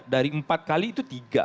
dari empat kali itu tiga